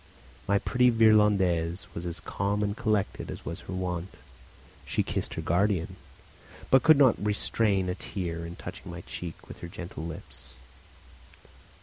My pretty Virlandaise was as calm and collected as was her wont. She kissed her guardian; but could not restrain a tear in touching my cheek with her gentle lips.